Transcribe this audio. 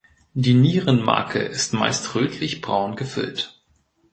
Die Nierenmakel ist meist rötlich braun gefüllt.